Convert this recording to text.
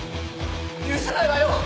許さないわよ！